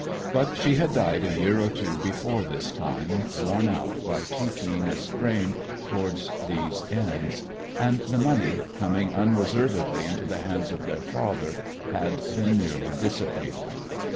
But she had died a year or two before this time, worn out by too keen a strain towards these ends; and the money, coming unreservedly into the hands of their father, had been nearly dissipated.